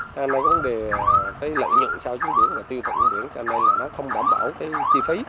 cho nên là vấn đề lợi nhuận sau chứng biến là tiêu thụ biển cho nên là nó không bảo bảo cái chi phí